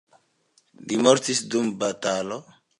Li mortis dum batalo.